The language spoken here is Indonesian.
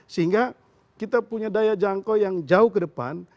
sehingga kita punya daya jangkau yang jauh ke depan